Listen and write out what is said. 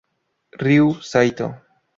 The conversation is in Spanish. Ryu Saito